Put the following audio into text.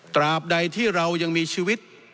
ตราบใดที่เรายังมีชีวิต